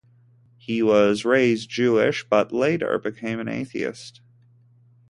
He was raised Jewish, but later became an atheist.